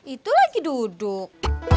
itu lagi duduk